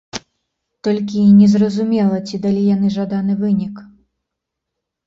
Толькі незразумела, ці далі яны жаданы вынік.